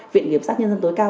viện kiểm soát nhân dân tối cao